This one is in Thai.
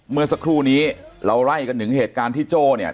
เมื่อสักครู่นี้เราไล่กันถึงเหตุการณ์ที่โจ้เนี่ย